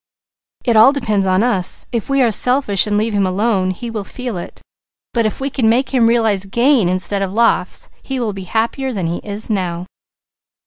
"It all depends on us. If we are selfish and leave him alone he will feel it. If we can make him realize gain instead of loss he will be happier than he is now."